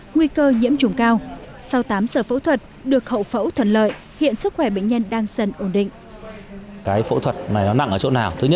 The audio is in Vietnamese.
nguy cơ nhiễm trùng cao sau tám giờ phẫu thuật được hậu phẫu thuận lợi hiện sức khỏe bệnh nhân đang dần ổn định